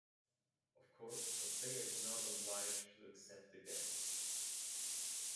Of course, a player is not obliged to accept a gambit.